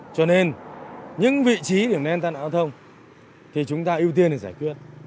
cho nên những vị trí điểm đen tai nạn giao thông thì chúng ta ưu tiên để giải quyết